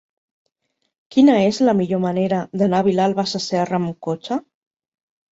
Quina és la millor manera d'anar a Vilalba Sasserra amb cotxe?